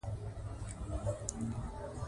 قانون باید حاکم وي.